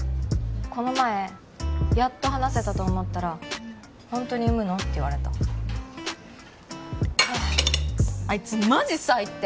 この前やっと話せたと思ったら「ホントに産むの？」って言われたはああいつマジ最低！